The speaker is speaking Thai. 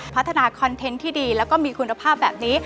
พัฒนาคอนเทนต์ที่ดีแล้วก็มีคุณภาพแบบนี้